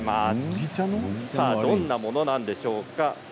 どんなものなんでしょうか。